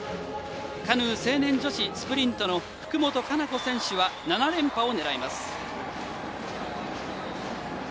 カヌー成年女子スプリントの福本かな子選手は７連覇を狙います。